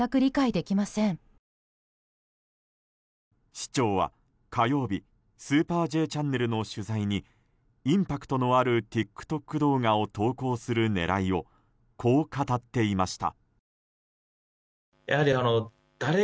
市長は火曜日「スーパーＪチャンネル」の取材にインパクトのあるＴｉｋＴｏｋ動画を投稿する狙いをこう語っていました。